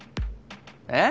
えっ？